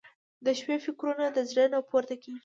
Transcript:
• د شپې فکرونه د زړه نه پورته کېږي.